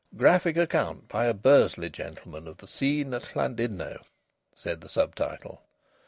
"Graphic Account by a Bursley Gentleman of the Scene at Llandudno," said the sub title.